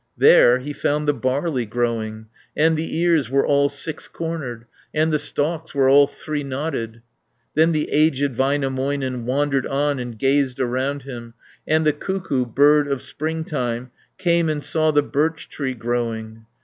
There he found the barley growing, And the ears were all six cornered, And the stalks were all three knotted. Then the aged Väinämöinen Wandered on and gazed around him, 360 And the cuckoo, bird of springtime, Came and saw the birch tree growing.